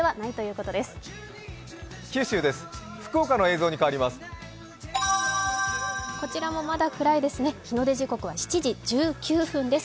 こちらもまだくらいですね、日の出時刻は７時１９分です。